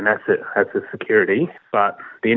anda tidak perlu menawarkan aset sebagai keamanan